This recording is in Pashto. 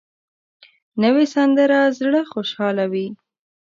نوې سندره زړه خوشحالوي